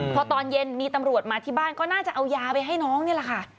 พอตอนเย็นมีตำรวจมาที่บ้านก็น่าจะเอายาไปให้น้องนี่แหละค่ะ